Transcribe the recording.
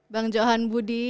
bang johan budi